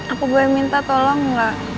aku boleh minta tolong gak